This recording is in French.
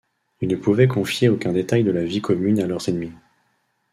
Ils ne pouvaient confier aucun détail de la vie commune à leurs ennemis.